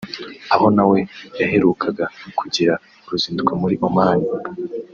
aho nawe yaherukaga kugirira uruzinduko muri Oman